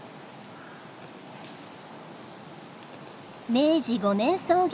明治５年創業。